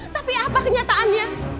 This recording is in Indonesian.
tapi apa kenyataannya